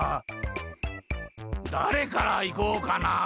だれからいこうかな。